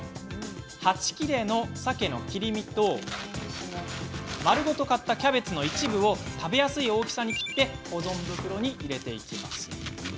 ８切れのさけの切り身と丸ごと買ったキャベツの一部を食べやすい大きさに切って保存袋に。